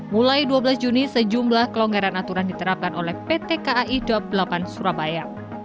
mulai dua belas juni sejumlah kelonggaran aturan diterapkan oleh pt kai dua puluh delapan surabaya